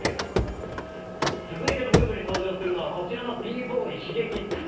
続いてのムーブに登場するのはこちらのＢ‐ＢｏｙＳｈｉｇｅｋｉｘ。